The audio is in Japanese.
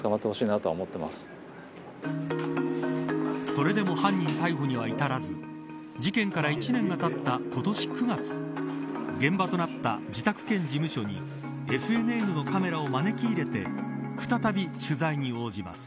それでも犯人逮捕には至らず事件から１年がたった今年９月現場となった自宅兼事務所にＦＮＮのカメラを招き入れて再び、取材に応じます。